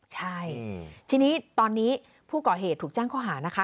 ใช่ทีนี้ตอนนี้ผู้ก่อเหตุถูกแจ้งข้อหานะคะ